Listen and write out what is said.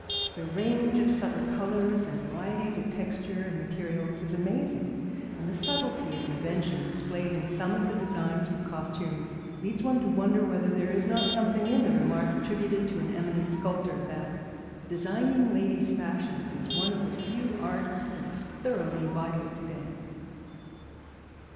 The range of subtle colours and varieties of texture in materials is amazing, and the subtlety of invention displayed in some of the designs for costumes leads one to wonder whether there is not something in the remark attributed to an eminent sculptor that "designing ladies' fashions is one of the few arts that is thoroughly vital to day."